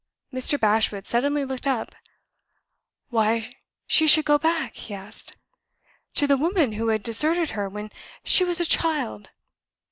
Mr. Bashwood suddenly looked up. "Why should she go back," he asked, "to the woman who had deserted her when she was a child?"